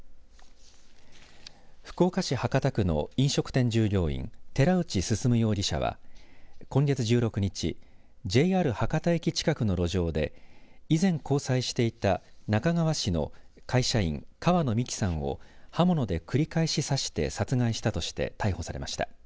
福岡市博多区の飲食店従業員寺内進容疑者は今月１６日ＪＲ博多駅近くの路上で以前、交際していた那珂川市の会社員川野美樹さんを刃物で繰り返し刺して殺害したとして逮捕されました。